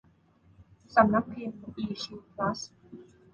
สำนักพิมพ์อีคิวพลัส